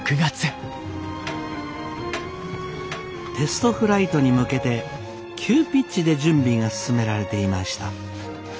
テストフライトに向けて急ピッチで準備が進められていました。